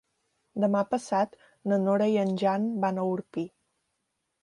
Demà passat na Nora i en Jan van a Orpí.